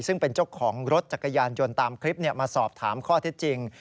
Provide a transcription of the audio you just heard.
ซึ่งเป็นเจ้าของรถจักรยานยนต์ตามคลิปมาสอบถามข้อเท็จจริง